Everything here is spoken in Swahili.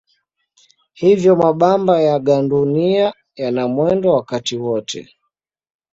Hivyo mabamba ya gandunia yana mwendo wakati wote.